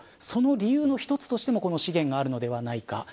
その理由としてもこの資源があるのではないか。